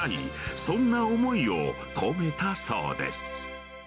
そんな思いを込めたそうです。